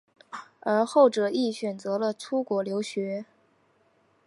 而后者亦选择了出国留学。